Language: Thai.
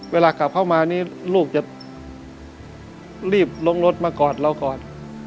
เวลากลับเข้ามานี่ลูกจะรีบลงรถมากอดเรากอด